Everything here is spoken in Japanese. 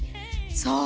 そう。